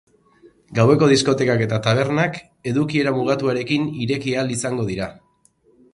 Gaueko diskotekak eta tabernak edukiera mugatuarekin ireki ahal izango dira.